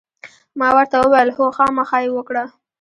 ما ورته وویل: هو، خامخا یې وکړه.